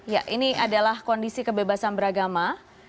ya ini adalah kondisi kebebasan beragama